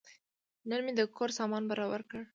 نن مې د کور سامان برابر کړ.